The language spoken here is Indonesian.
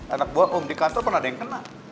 anak buah om di kantor pun ada yang kena